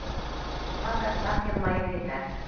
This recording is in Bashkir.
Уға бер саф йылмайыу етә.